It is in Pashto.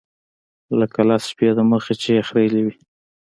لکه لس شپې د مخه چې يې خرييلي وي.